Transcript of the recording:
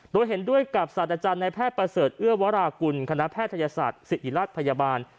โดยเห็นด้วยกับสัตว์อาจารย์ในแพทย์ประเสริฐเอื้อวรากุลคณะแพทยศาสตร์ศิริราชพยาบาล